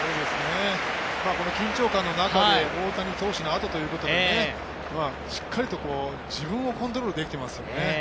この緊張感の中、大谷選手のあとという中でしっかりと自分をコントロールできていますよね。